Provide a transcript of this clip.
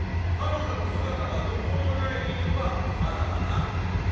彼女の姿がどこにもない理由はまだだが？